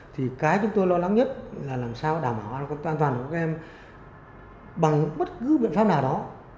thì cái chúng tôi lo lắng nhất là làm sao đảm bảo an toàn của các em bằng bất cứ biện pháp nào đó